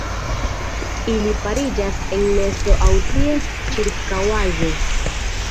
Ili pariĝas en nesto aŭ ties ĉirkaŭaĵo.